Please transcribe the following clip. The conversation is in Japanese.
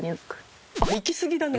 いきすぎだね